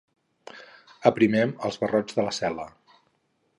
Aprimem els barrots de la cel·la.